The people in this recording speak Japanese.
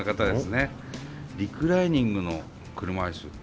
リクライニングの車椅子。